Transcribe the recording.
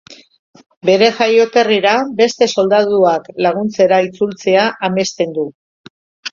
Bere jaioterrira beste soldaduak laguntzera itzultzea amesten du.